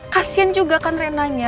kasian juga kan renanya